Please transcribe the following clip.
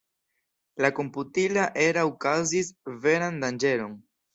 La komputila erao kaŭzis veran danĝeron.